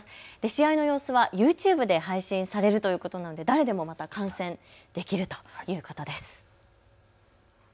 試合の様子はＹｏｕＴｕｂｅで配信されるということなので誰でも観戦できるということです。